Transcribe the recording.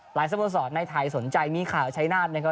หลายสมุดสอดในไทยสนใจมีข่าวใช้หน้านะครับ